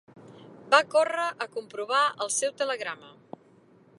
Va córrer a comprovar el seu telegrama.